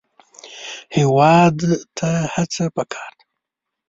هېواد ته هڅه پکار ده